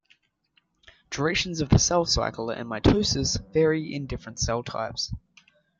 Durations of the cell cycle and mitosis vary in different cell types.